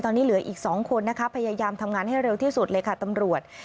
ตอนนี้เหลืออีก๒คนนะคะพยายามทำงานให้เร็วที่สุดเลยค่ะตำรวจ